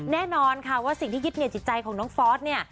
แน่นอนค่ะว่าสิ่งที่ยึดเหนียวจิตใจของน้องฟอสเนี่ย